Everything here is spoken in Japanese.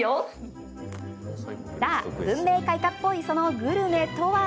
さあ、文明開化っぽいそのグルメとは？